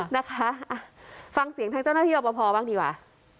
นะคะฟังเสียงทางเจ้าหน้าที่รับประพอบ้างดีกว่า